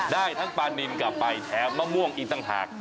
ได้ทั้งปลานินกลับไปแถมมะม่วงอีกต่างหาก